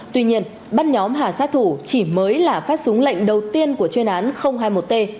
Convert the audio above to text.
tuy nhiên băng nhóm hà sát thủ chỉ mới là phát súng lệnh đầu tiên của chuyên án hai mươi một t